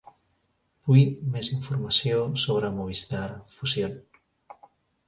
Vull més info sobre Movistar Fusión.